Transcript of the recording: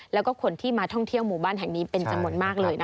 แล้วก็คนที่มาท่องเที่ยวหมู่บ้านแห่งนี้เป็นจำนวนมากเลยนะคะ